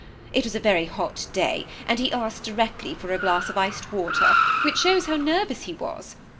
It was a very hot day, and he asked directly for a glass of iced water, which shows how nervous he was.